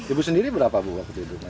ibu sendiri berapa buah